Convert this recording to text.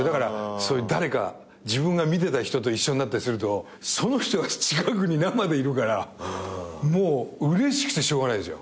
そういう誰か自分が見てた人と一緒になったりするとその人が近くに生でいるからもううれしくてしょうがないですよ。